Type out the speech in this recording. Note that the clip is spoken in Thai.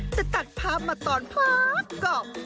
จะตัดภาพมาตอนภาพกรอบ